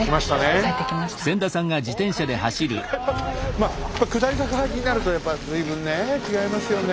まあ下り坂になるとねやっぱ随分ねえ違いますよね